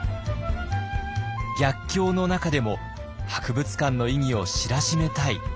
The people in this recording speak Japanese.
逆境の中でも博物館の意義を知らしめたい。